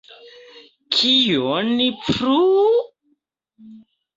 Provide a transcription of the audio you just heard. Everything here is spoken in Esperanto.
Kion plu?